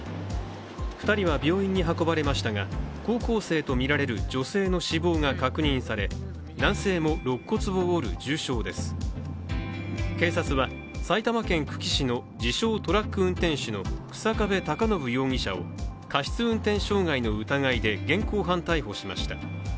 ２人は病院に運ばれましたが高校生とみられる女性の死亡が確認され、警察は、埼玉県久喜市の自称トラック運転手の日下部孝延容疑者を過失運転傷害の疑いで現行犯逮捕しました。